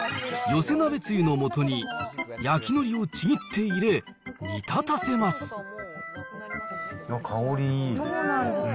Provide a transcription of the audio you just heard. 寄せ鍋つゆのもとに焼きのりをちぎって入れ、煮立たせます。